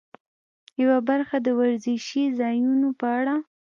یوه برخه د وزرشي ځایونو په اړه.